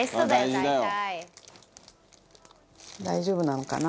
財前：大丈夫なのかな？